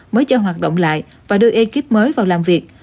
mới cho hoạt động lại và đưa ekip mới vào làm việc